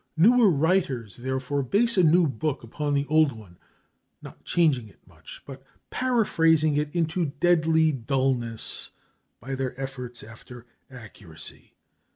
Newer writers, therefore, base a new book upon the old one, not changing much, but paraphrasing it into deadly dullness by their efforts after accuracy.